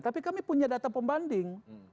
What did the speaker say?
tapi kami punya data pembanding